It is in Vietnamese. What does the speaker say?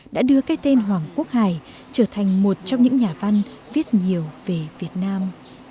đã đưa cái tên hoàng quốc hải trở thành một trong những nhà văn viết nhiều về việt nam